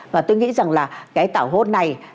và tôi nghĩ rằng là cái tào hôn này